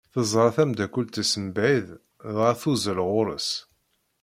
Teẓra tameddakelt-is mebɛid dɣa tuzzel ɣer-s.